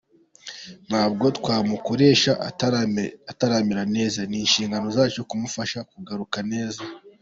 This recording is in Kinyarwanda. Ntabwo twamukoresha ataramera neza, ni inshingano zacu kumufasha kugaruka neza.